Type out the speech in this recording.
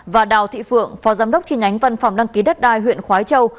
và đào thị phượng phó giám đốc tri nhánh văn phòng đăng ký đất đai huyện khói châu